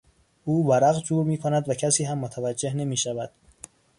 او ورق جور میکند و کسی هم متوجه نمیشود.